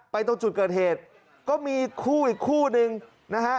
ตรงจุดเกิดเหตุก็มีคู่อีกคู่หนึ่งนะฮะ